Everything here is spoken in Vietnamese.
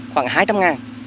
khoảng hai trăm linh ngàn